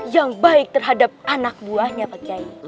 yang baik terhadap anak buahnya pak kiai